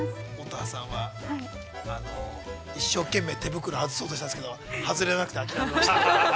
◆乙葉さんは、一生懸命手袋を外そうとしたんですけれども、外れなくて、諦めました。